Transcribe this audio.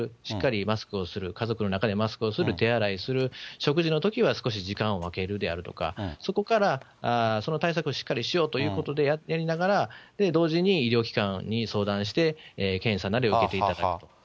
しっかりマスクをする、家族の中でマスクをする、手洗いする、食事のときは少し時間を分けるであるとか、そこから、その対策をしっかりしようということでやりながら、同時に医療機関に相談して、検査なり受けていただくと。